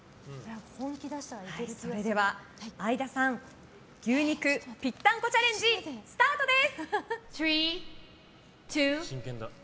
それでは、相田さん牛肉ぴったんこチャレンジスタートです！